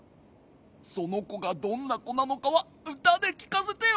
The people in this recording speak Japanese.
そのこがどんなこなのかはうたできかせてよ。